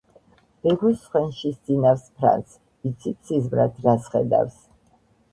ბებოს ხვენში სძინავს ფრანს, იცით სიზმრად რასვხედავს?